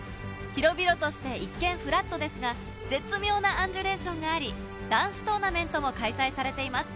広々として一見フラットですが絶妙なアンジュレーションがあり男子トーナメントも開催されています